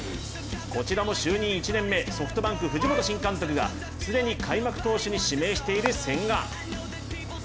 こちらも就任１年目ソフトバンク、藤本新監督がすでに開幕投手に指名している千賀。